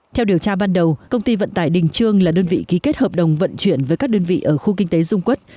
theo điều tra ban đầu công ty vận tải đình trương là đơn vị ký kết hợp đồng vận chuyển với các đơn vị ở khu kinh tế dung quốc